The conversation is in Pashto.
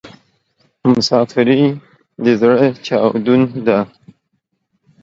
مسافري د ﺯړه چاودون ده